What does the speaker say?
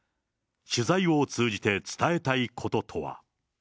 取材を通じて伝えたいこととは。